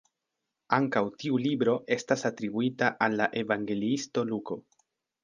Ankaŭ tiu libro estas atribuita al la evangeliisto Luko.